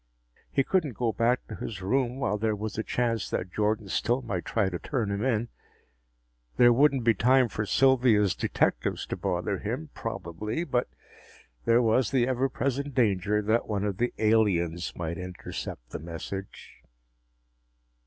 He couldn't go back to his room while there was a chance that Jordan still might try to turn him in. There wouldn't be time for Sylvia's detectives to bother him, probably, but there was the ever present danger that one of the aliens might intercept the message.